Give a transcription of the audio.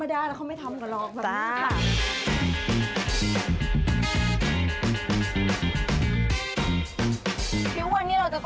ไม่รอยังพรุ่งนี้ก่อนละค่อยถาม